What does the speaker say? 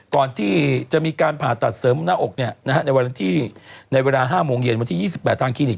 ก่อนที่จะมีการผ่าตัดเสริมหน้าอกในเวลา๕โมงเย็นวันที่๒๘ทางคลินิก